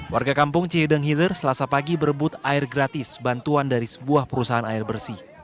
warga kampung cihideng hilir selasa pagi berebut air gratis bantuan dari sebuah perusahaan air bersih